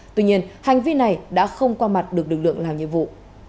tuy nhiên hành vi này đã không qua mặt được lực lượng làm nhiệm vụ